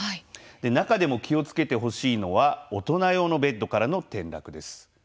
中でも気をつけてほしいのは大人用のベッドからの転落です。